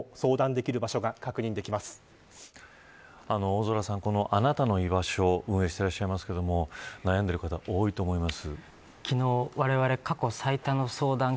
大空さん、あなたのいばしょを運営していらっしゃいますが悩んでいる方多いと思います。